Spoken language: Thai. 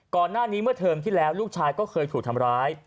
ก่อนหน้านี้เมื่อเทอมที่แล้วลูกชายก็เคยถูกทำร้าย